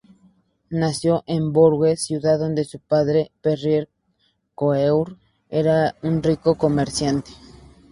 Nació en Bourges, ciudad donde su padre, Pierre Coeur, era un rico comerciante.